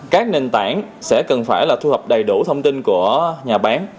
các nền tảng sẽ cần phải thu hập đầy đủ thông tin của nhà bán